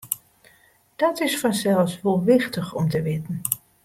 Dat is fansels wol wichtich om te witten.